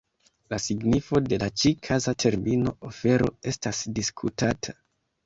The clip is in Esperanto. La signifo de la ĉi-kaza termino "ofero" estas diskutata.